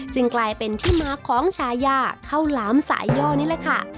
กลายเป็นที่มาของชายาข้าวหลามสายย่อนี่แหละค่ะ